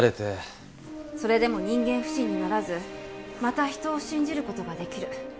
それでも人間不信にならずまた人を信じる事ができる。